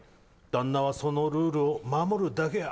「ダンナはそのルールを守るだけや」